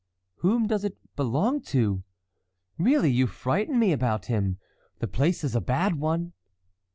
"Whom does it belong to? Really, you frighten me about him; the place is a bad one."